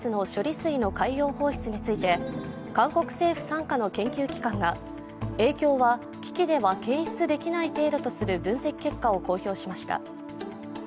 水の海洋放出について韓国政府傘下の研究機関が、影響は機器では検出できない程度とする分析結果を公表しました。